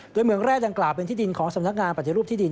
โดยเมืองแรกดังกล่าวเป็นที่ดินของสำนักงานปฏิรูปที่ดิน